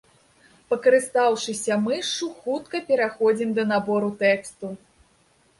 Пакарыстаўшыся мышшу, хутка пераходзім да набору тэксту.